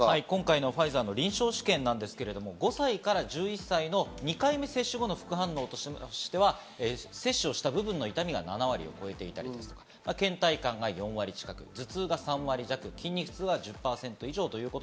ファイザーの臨床試験ですけど、５歳から１１歳の２回目接種後の副反応としては接種した部分の痛みが７割、倦怠感が４割近く、頭痛が３割弱、筋肉痛が１０％以上。